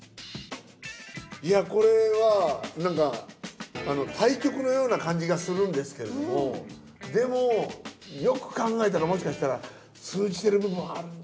いやこれはなんか対極のような感じがするんですけれどもでもよく考えたらもしかしたら通じてる部分もあるんじゃないかな。